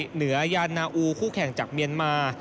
เหนือยานาอูคู่แข่งจากเมียนมา